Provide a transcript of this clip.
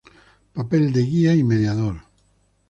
Papel de guía y mediador.